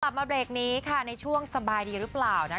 ต่อมาเบรกนี้ค่ะในช่วงสบายดีรึเปล่า